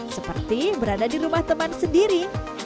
seperti berada di rumah teman sendiri